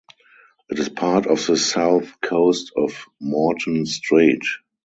It is part of the south coast of Morton Strait.